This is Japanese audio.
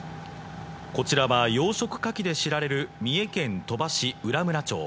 こちらは養殖かきで知られる三重県鳥羽市。